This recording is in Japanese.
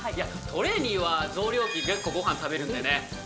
トレーニーは増量期結構ごはん食べるんでね